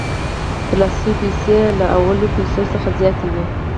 ترلاسه شوې پیسې له لومړنیو پیسو څخه زیاتې وي